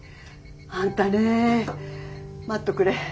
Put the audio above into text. あんたね待っとくれ。